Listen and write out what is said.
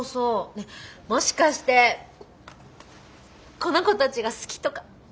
ねえもしかしてこの子たちが好きとか？